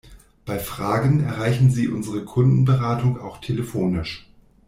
Bei Fragen erreichen Sie unsere Kundenberatung auch telefonisch.